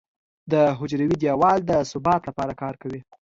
د حجروي دیوال د ثبات لپاره کار کوي.